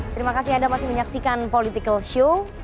terima kasih anda masih menyaksikan political show